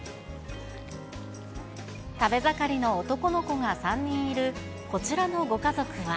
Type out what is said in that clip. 食べ盛りの男の子が３人いるこちらのご家族は。